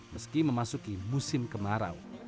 meski memasuki musim kemarau